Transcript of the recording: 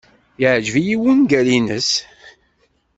Iɛjeb-iyi wungal-nnes.